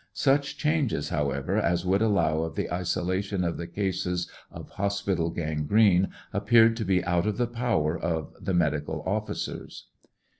Such changes, however, as would allow of the isolation of the cases of hospital gangrene appeared to be out of the power of the medical officers.